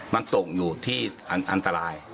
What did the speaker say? มันตกอยู่ที่อันตราย